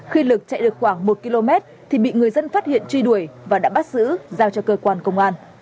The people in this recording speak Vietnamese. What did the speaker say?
khi lực chạy được khoảng một km thì bị người dân phát hiện truy đuổi và đã bắt giữ giao cho cơ quan công an